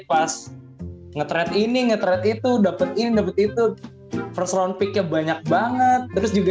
pas nge trade ini nge trade itu dapet ini dapet itu first round picknya banyak banget terus juga